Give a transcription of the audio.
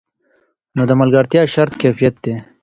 نو د ملګرتیا شرط کیفیت دی.